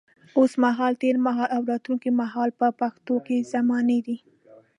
اوس مهال، تېر مهال او راتلونکي مهال په پښتو کې زمانې دي.